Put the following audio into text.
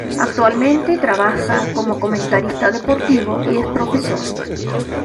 Actualmente trabaja como comentarista deportivo y es profesor.